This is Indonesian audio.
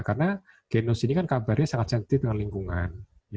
karena jinos ini kan kabarnya sangat sensitif dengan lingkungan